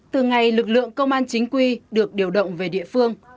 từ ngày lực lượng công an chính quy được điều động về địa phương